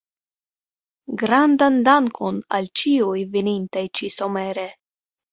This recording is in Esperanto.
Grandan dankon al ĉiuj venintaj ĉi-somere.